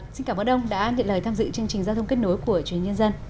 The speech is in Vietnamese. xin cảm ơn ông đã nhận lời tham dự chương trình giao thông kết nối của truyền nhân dân